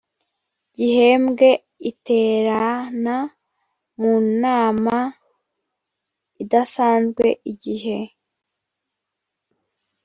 gihembwe iterana mu nama idasanzwe igihe